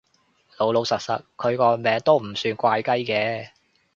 老老實實，佢個名都唔算怪雞嘅